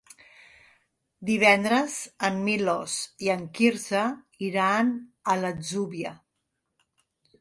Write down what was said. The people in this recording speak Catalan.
Divendres en Milos i en Quirze iran a l'Atzúbia.